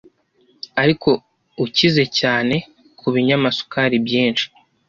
ariko ukize cyane ku binyamasukari byinshi